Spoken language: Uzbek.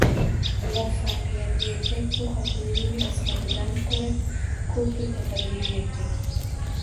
Muvaffaqiyatli erkak bu - Xotinining rasxodidan ko'ra ko'p pul topadigan erkak.